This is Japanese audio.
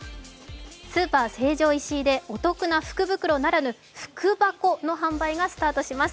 スーパー成城石井でお得な福袋ならぬ福箱の販売が始まります。